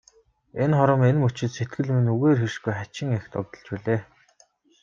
Энэ хором, энэ мөчид сэтгэл минь үгээр хэлшгүй хачин их догдолж билээ.